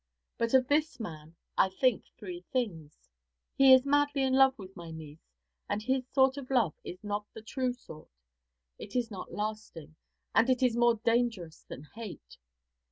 But of this man I think three things. He is madly in love with my niece, and his sort of love is not the true sort. It is not lasting, and it is more dangerous than hate.